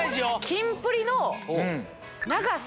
キンプリの。